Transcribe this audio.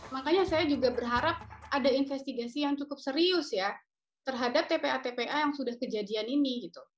makanya saya juga berharap ada investigasi yang cukup serius ya terhadap tpa tpa yang sudah kejadian ini gitu